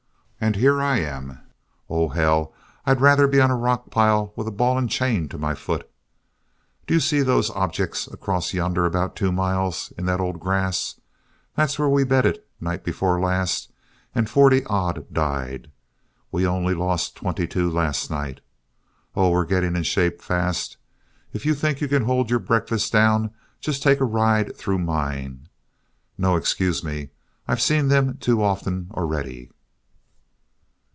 And here I am Oh, hell, I'd rather be on a rock pile with a ball and chain to my foot! Do you see those objects across yonder about two miles in that old grass? That's where we bedded night before last and forty odd died. We only lost twenty two last night. Oh, we're getting in shape fast. If you think you can hold your breakfast down, just take a ride through mine. No, excuse me I've seen them too often already."